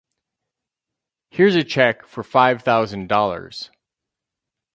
Here's a check for five thousand dollars.